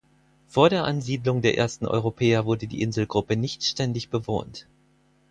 Vor der Ansiedlung der ersten Europäer wurde die Inselgruppe nicht ständig bewohnt.